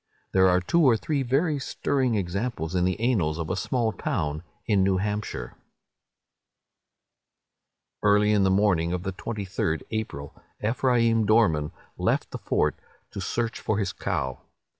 There are two or three very stirring examples in the annals of a small town in New Hampshire:— "Early in the morning of the 23d April, Ephraim Dorman left the fort to search for his cow.